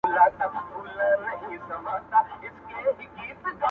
• که ترخه شراب ګنا ده او حرام دي,